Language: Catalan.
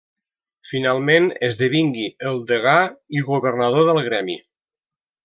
Finalment esdevingui el degà i governador del gremi.